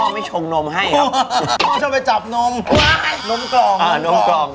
ไม่ชงนมให้ครับช่วยไปจับนมนมกล่องอ่านมกล่อง